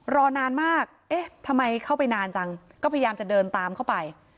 รอนานมากเอ๊ะทำไมเข้าไปนานจังก็พยายามจะเดินตามเข้าไป